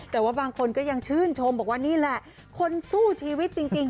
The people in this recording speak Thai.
แต่ว่าบางคนก็ยังชื่นชมบอกว่านี่แหละคนสู้ชีวิตจริง